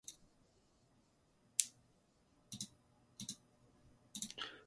入浴している二人の男は、足を踏みならしたり、身体を向き変えたりしており、子供たちはこの男たちに近づこうとするが、